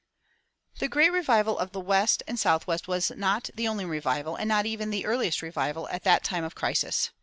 [242:1] The great revival of the West and Southwest was not the only revival, and not even the earliest revival, of that time of crisis.